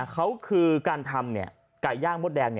การทำไก่ย่างมดแดง